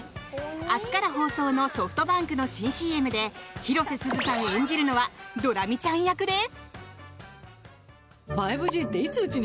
明日から放送のソフトバンクの新ＣＭで広瀬すずさん演じるのはドラミちゃん役です！